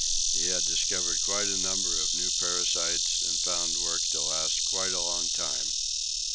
He had discovered quite a number of new parasites and found work to last quite a long time.